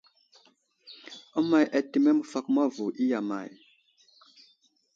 Əmay atəmeŋ məfakoma vo i iya may ?